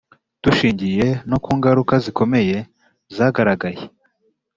Dushingiye no kungaruka zikomeye zagaragaye